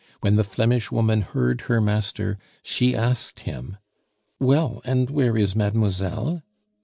When the Flemish woman heard her master, she asked him: "Well, and where is mademoiselle?"